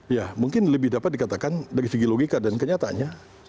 ya mungkin lebih dapat dikatakan dari segi logika dan kenyataannya